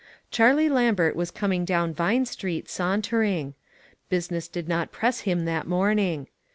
Charlie Lambert was coming down Vine Street, sauntering ; business did not press him that morning.